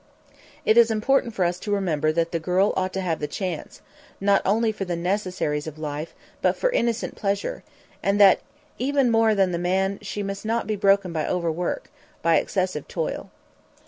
It is important for us to remember that the girl ought to have the chance, not only for the necessaries of life, but for innocent pleasure; and that even more than the man she must not be broken by overwork, by excessive toil.